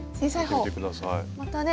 またね